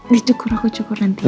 dia cukur aku cukur nanti ya